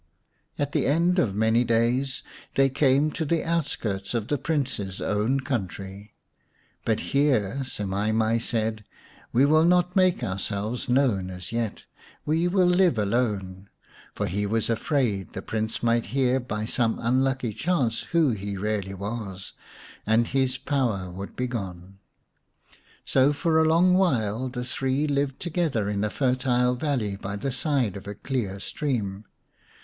At the end of many days they came to the outskirts of the Prince's own country. But here Semai mai said, "We will not make ourselves known as yet ; we will live alone/' For he was afraid the Prince might hear by some unlucky chance who he really was, and his power would be gone. So for a long while the three lived together in a fertile valley by the side of a clear stream.